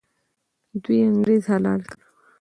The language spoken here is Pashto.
دوی انګریز حلال کړ.